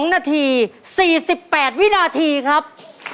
๒นาที๔๘วินาทีครับ